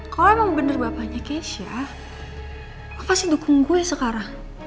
kalau emang bener bapaknya keisha aku pasti dukung gue sekarang